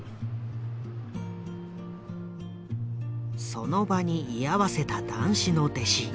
その場に居合わせた談志の弟子